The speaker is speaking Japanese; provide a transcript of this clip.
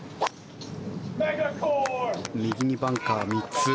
右にバンカー３つ。